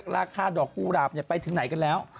ราคาดอกกุหลาบไปถึงไหนกันแล้ว